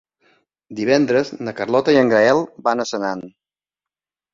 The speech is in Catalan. Divendres na Carlota i en Gaël van a Senan.